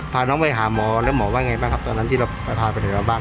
พาน้องไปหาหมอแล้วหมอว่าไงบ้างครับตอนนั้นที่เราพาไปถึงเราบ้าง